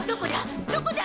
どこだ？